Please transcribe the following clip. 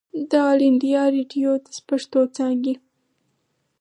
د آل انډيا ريډيو د پښتو څانګې